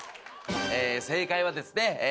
正解はですね